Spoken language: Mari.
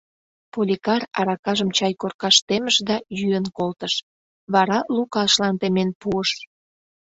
Поликар аракажым чай коркаш темыш да йӱын колтыш, вара Лукашлан темен пуыш.